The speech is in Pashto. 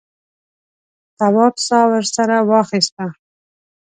تواب سا ورسره واخیسته.